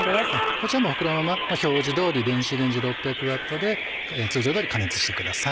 こちらはこのまま表示通り電子レンジ６００Ｗで通常通り加熱してください。